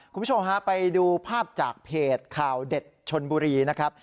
คุณผู้ชมฮะไปดูภาพจากเพจข่าวเด็ดชนบุรีนะครับ